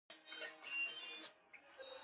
جلګه د افغانانو ژوند اغېزمن کوي.